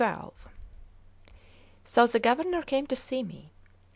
CXII SO the Governor came to see me.